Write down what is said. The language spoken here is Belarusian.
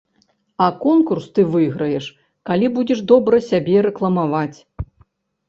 А конкурс ты выйграеш, калі будзеш добра сябе рэкламаваць.